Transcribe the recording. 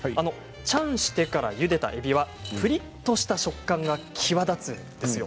チャンしてからゆでたえびはプリッとした食感が際立つんですよ。